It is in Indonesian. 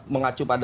mengacu pada itu